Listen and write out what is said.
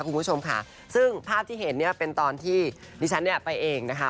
คุณผู้ชมค่ะซึ่งภาพที่เห็นเป็นตอนที่ดิฉันไปเองนะคะ